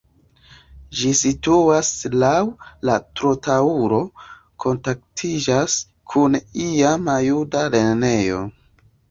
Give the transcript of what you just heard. Ĝi situas laŭ la trotuaro kaj kontaktiĝas kun la iama juda lernejo.